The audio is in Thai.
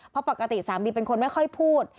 เพราะปกติสามีเป็นคนไม่ค่อยพูด